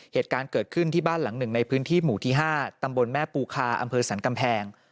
เหตุการณ์เกิดขึ้นที่บ้านหลังหนึ่งในพื้นที่หมู่ที่๕ตำบลแม่ปูคาอำเภอสันกำแพง